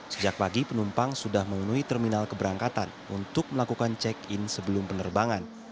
sejak pagi penumpang sudah memenuhi terminal keberangkatan untuk melakukan check in sebelum penerbangan